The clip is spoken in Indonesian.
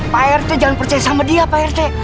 pak rt itu jangan percaya sama dia pak rt